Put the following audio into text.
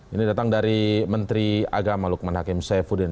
ini datang dari menteri agama lukman hakim saifuddin